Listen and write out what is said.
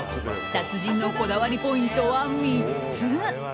達人のこだわりポイントは３つ。